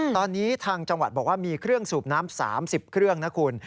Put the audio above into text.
ตอนนี้ทางจังหวัดบอกว่ามีเครื่องสูบน้ำ๓๐เครื่องนะคุณ